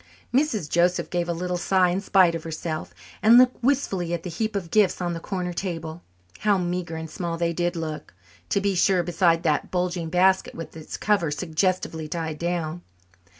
Mrs. Joseph gave a little sigh in spite of herself, and looked wistfully at the heap of gifts on the corner table. How meagre and small they did look, to be sure, beside that bulgy basket with its cover suggestively tied down.